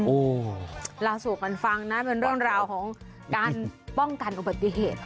โอ้โหเล่าสู่กันฟังนะเป็นเรื่องราวของการป้องกันอุบัติเหตุ